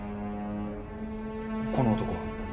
この男は？